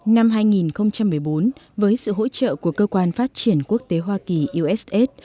năm hai nghìn một mươi bốn với sự hỗ trợ của cơ quan phát triển quốc tế hoa kỳ uss